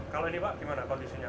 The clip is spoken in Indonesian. kalau ini pak gimana kondisinya